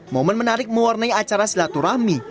momen menarik mewarnai acara silaturahmi